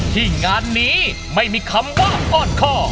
ที่งานนี้ไม่มีคำว่าอ้อนคอ